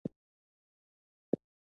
ایران د زعفرانو لوی تولیدونکی دی.